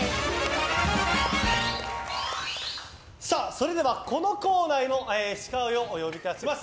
それでは、このコーナーの司会をお呼びします。